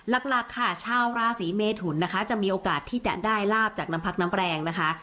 หลักค่ะชาวราศีเมทุนนะคะจะมีโอกาสที่จะได้ลาบจากน้ำพักน้ำแรงนะคะ